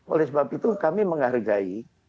oleh sebab itu kami menghargai